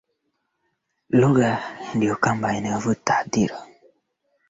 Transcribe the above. Ningeomba wazazi wote waje huku mbele.